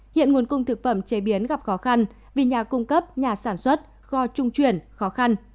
hiện nguồn cung thực phẩm chế biến gặp khó khăn vì nhà cung cấp nhà sản xuất kho trung chuyển khó khăn